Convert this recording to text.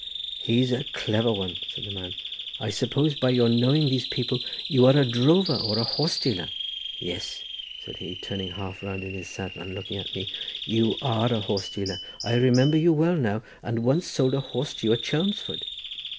"He's a clever one," said the man. "I suppose by your knowing these people you are a drover or a horse dealer. Yes," said he, turning half round in his saddle and looking at me, "you are a horse dealer. I remember you well now, and once sold a horse to you at Chelmsford."